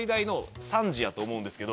やと思うんですけど。